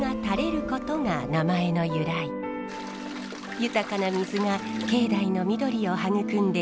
豊かな水が境内の緑を育んでいます。